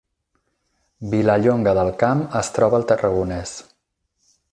Vilallonga del Camp es troba al Tarragonès